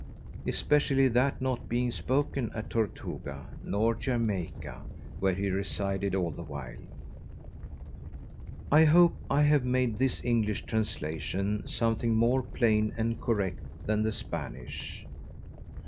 Especially that not being spoken at Tortuga nor_ Jamaica, where he resided all the while. _I hope I have made this English Translation something more plain and correct than the Spanish.